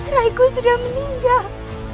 raiku sudah meninggal